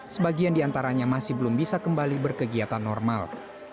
sebagian di antaranya masih belum bisa kembali berkegiatan normal